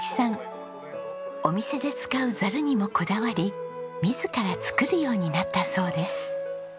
お店で使うざるにもこだわり自ら作るようになったそうです。